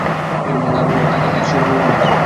না, বুনু, আজ এক সুপ্রসন্ন দিন।